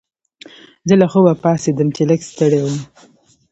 زه له خوبه پاڅیدم چې لږ ستړی وم.